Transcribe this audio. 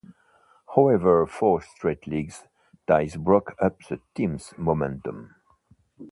However, four straight league ties broke up the team's momentum.